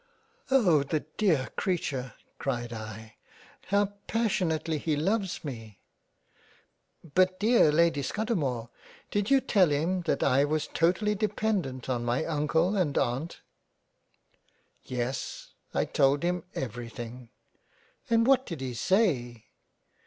" Oh ! the dear Creature, cried I, how passionately he loves me ! But dear Lady Scudamore did you tell him that I was totally dependant on my Uncle and Aunt ?"" Yes, I told him every thing." " And what did he say."